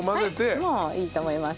もういいと思います。